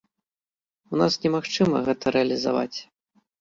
У нас немагчыма гэта рэалізаваць.